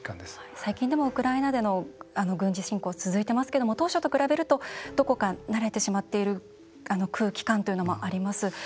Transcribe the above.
最近でもウクライナでの軍事侵攻が続いていますけど当初と比べるとどこか慣れてしまっている空気感というのもあります。